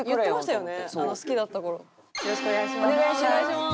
よろしくお願いします。